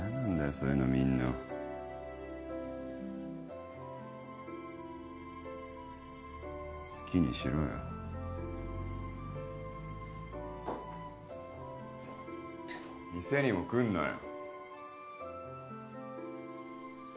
そういうの見んの好きにしろよ店にも来んなよ